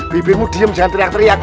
bibirmu diam jangan teriak teriak